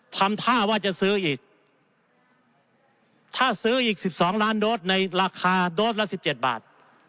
ทำท่าว่าจะซื้ออีกถ้าซื้ออีกสิบสองล้านโดรสในราคาโดรสละสิบเจ็ดบาท